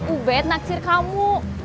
ubed naksir kamu